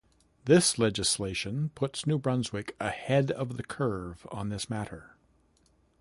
This legislation puts New Brunswick ahead of the curve on this matter.